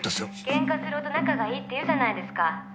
「ケンカするほど仲がいいって言うじゃないですか」